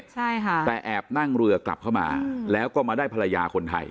ใช่ค่ะแต่แอบนั่งเรือกลับเข้ามาแล้วก็มาได้ภรรยาคนไทย